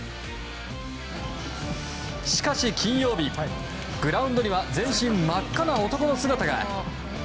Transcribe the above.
しかし金曜日、グラウンドには全身真っ赤な男の姿が。